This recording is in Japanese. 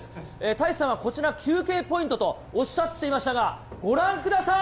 太一さんはこちら、休憩ポイントとおっしゃっていましたが、ご覧ください。